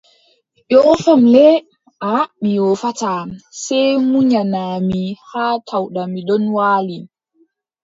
Yoofam le, aaʼa mi yoofataa, sey munyana mi haa tawɗa mi ɗon waali,